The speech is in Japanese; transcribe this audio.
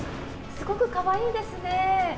すごくかわいいですね。